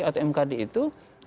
atau mkd itu